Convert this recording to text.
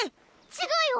違うよ。